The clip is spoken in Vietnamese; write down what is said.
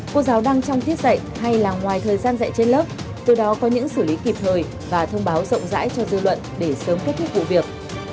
cô giáo đang trong tiết dạy hay là ngoài thời gian dạy trên lớp từ đó có những xử lý kịp thời và thông báo rộng rãi cho dư luận để sớm kết thúc vụ việc